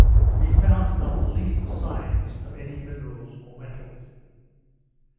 We found not the least signs of any minerals or metals.